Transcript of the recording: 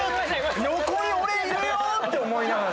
横に俺いるよって思いながら。